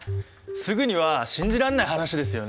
すぐには信じらんない話ですよね。